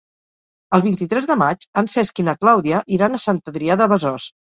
El vint-i-tres de maig en Cesc i na Clàudia iran a Sant Adrià de Besòs.